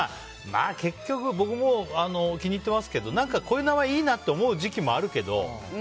まあ、結局僕も気に入ってますけどこういう名前いいなって思う時期もあるけど。